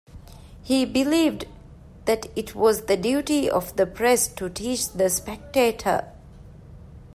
He believed that it was the duty of the press to teach the spectator.